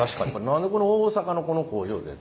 何で大阪のこの工場で？